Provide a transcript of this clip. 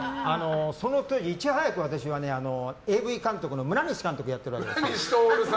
その時いち早く私は、ＡＶ監督の村西監督やってるわけですよ。